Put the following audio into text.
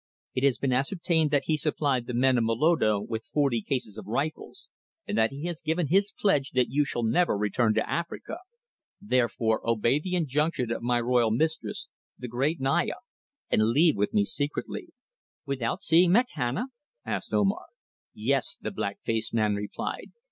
It has been ascertained that he supplied the men of Moloto with forty cases of rifles, and that he has given his pledge that you shall never return to Africa. Therefore obey the injunction of my royal mistress, the great Naya, and leave with me secretly." "Without seeing Makhana?" asked Omar. "Yes," the black faced man replied.